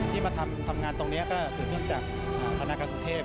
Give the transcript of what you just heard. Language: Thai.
ที่มาทำงานตรงนี้ก็สื่อมนึงจากธนกกรุงเทพฯ